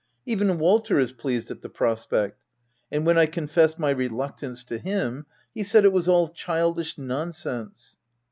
Even Walter is pleased at the pros pect, and when I confessed my reluctance to him, he said it was all childish nonsense.